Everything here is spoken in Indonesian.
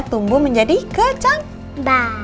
tumbuh menjadi kecambah